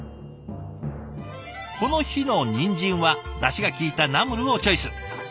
この日のにんじんはだしが効いたナムルをチョイス。